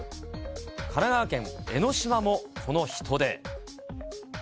神奈川県江の島もこの人出。